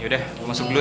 yaudah gue masuk dulu ya